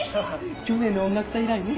去年の音楽祭以来ね。